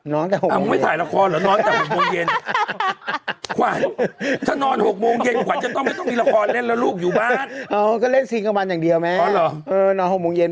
นอนแต่หกโมงเย็นอ้าวมึงไม่ถ่ายละครหรอนอนแต่หกโมงเย็น